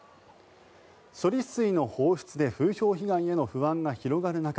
処理水の放出で風評被害への不安が広がる中